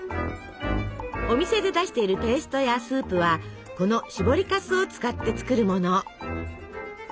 お店で出しているペーストやスープはこのしぼりかすを使って作るもの。